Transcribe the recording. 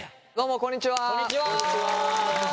こんにちは。